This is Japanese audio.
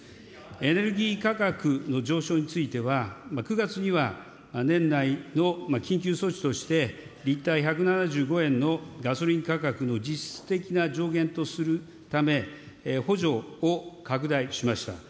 エネルギー価格の上昇については、９月には年内の緊急措置として、リッター１７５円のガソリン価格を実質的な上限とするため、補助を拡大しました。